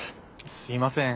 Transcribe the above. すいません。